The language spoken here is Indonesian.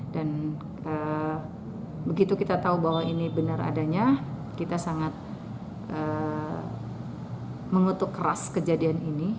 dan begitu kita tahu bahwa ini benar adanya kita sangat mengutuk keras kejadian ini